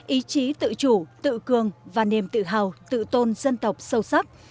ý chí tự chủ tự cường và niềm tự hào tự tôn dân tộc sâu sắc